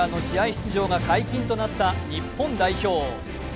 出場が解禁となった日本代表。